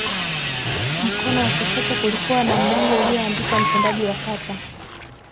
Mkono wa kushoto kulikuwa na mlango ulioandikwa mtendaji wa kata